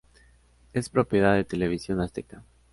Es propiedad de Televisión Azteca.